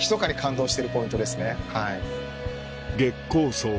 月光荘